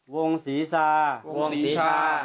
วงศีสาวงศีษภา